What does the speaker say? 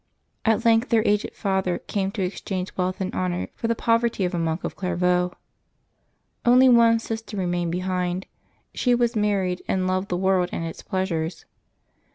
At length their aged father came to exchange wealth and honor for the poverty of a monk of Clairvanx. One only sister remained behind; she was married, and loved the world and its pleasures.